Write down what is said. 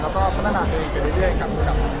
แล้วก็พัฒนาตัวเองไปเรื่อยครับ